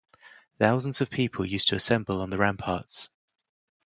Thousands of people used to assemble on the ramparts.